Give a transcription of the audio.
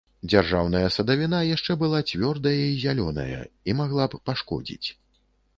Дзяржаўная садавіна яшчэ была цвёрдая і зялёная і магла б пашкодзіць.